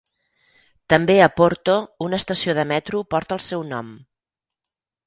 També a Porto una estació de metro porta el seu nom.